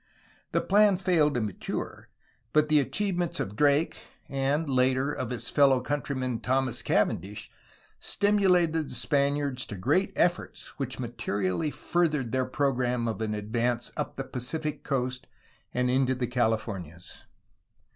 The plan failed to mature, but the achievements of Drake and, later, of his fellow countryman Thomas Cavendish stimulated the Spaniards to great efforts which materially furthered their program of an advance up the Pacific coast and into the Calif ornias.